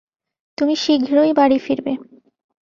তুমি শীঘ্রই বাড়ি ফিরবে।